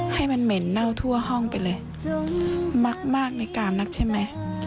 ให้มันเหม็นเน่าทั่วห้องไปเลยมากในกามนักใช่ไหม